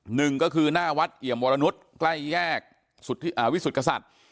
หนึ่งก็คือหน้าวัดเอี่ยมวรนุษย์ใกล้แยกวิสุทธิกษัตริย์